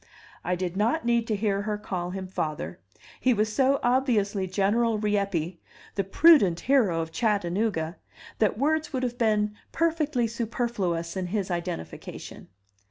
I did not need to hear her call him father; he was so obviously General Rieppe, the prudent hero of Chattanooga, that words would have been perfectly superfluous in his identification.